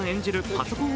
パソコン